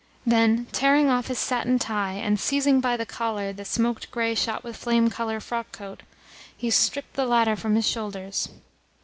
Then, tearing off his satin tie, and seizing by the collar, the smoked grey shot with flame colour frockcoat, he stripped the latter from his shoulders.